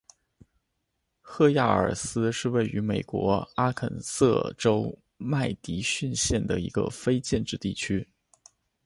赫亚尔思是位于美国阿肯色州麦迪逊县的一个非建制地区。